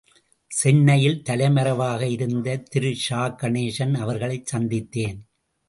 சென்னையில் தலைமறைவாக இருந்த திரு சா.கணேசன் அவர்களைச்சந்தித்தேன்.